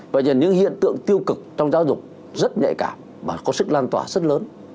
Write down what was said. vậy những hiện tượng tiêu cực trong giáo dục rất nhạy cảm và có sức lan tỏa rất lớn